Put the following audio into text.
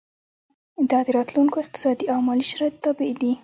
دا د راتلونکو اقتصادي او مالي شرایطو تابع دي.